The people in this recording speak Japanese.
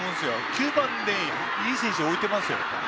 ９番にいい選手を置いていますよ。